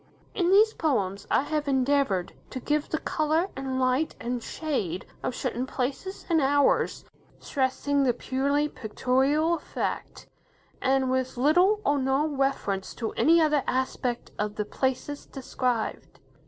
In these poems, I have endeavoured to give the colour, and light, and shade, of certain places and hours, stressing the purely pictorial effect, and with little or no reference to any other aspect of the places described.